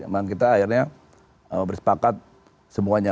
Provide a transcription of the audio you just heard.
memang kita akhirnya bersepakat semuanya